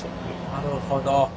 なるほど。